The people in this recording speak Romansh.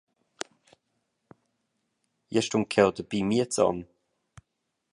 Jeu stun cheu dapi in miez onn.